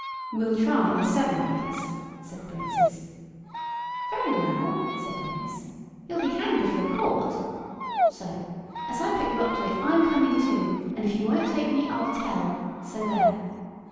"We'll try the seven acres," said the Princes. "Very well," said Denis; "You'll be hanged if you're caught. So, as I put you up to it, I'm coming too, and if you won't take me, I'll tell. So there!"